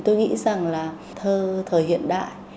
tôi nghĩ rằng là thơ thời hiện đại